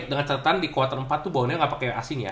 dengan catatan di quarter empat tuh borneo gak pake asing ya